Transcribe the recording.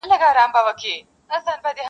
ویل صاحبه زموږ خو ټول ابرو برباد سوه.